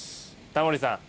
タモリさん